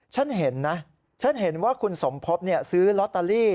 ฉันเห็นนะฉันเห็นว่าคุณสมภพซื้อลอตเตอรี่